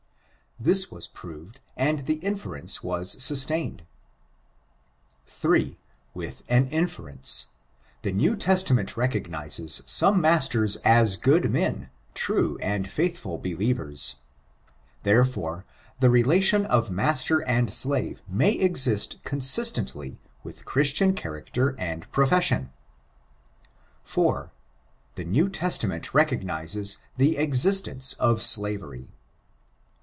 This was proved, and the inference was sustained. III. With an inference. The New Testament recogni zes some masters as good men — true and foithful believers. ^^^^^^^ ON ABOLinOKISM. 659 ' I Therefore^ the rdcttion of master and slave may exist consistently with Christian character and profession, IV. T/ie New Testament recognizes the existence of slavery.